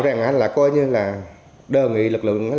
đề nghị lực lượng